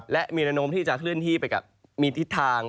และมีแนวโน้มที่จะขึ้นที่ไปกับมีทิศทาง